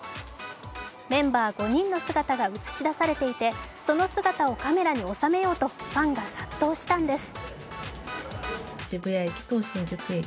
メンバー５人の姿が映し出されていてその姿をカメラに収めようとファンが殺到したんです。